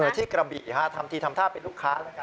ที่กระบี่ทำทีทำท่าเป็นลูกค้า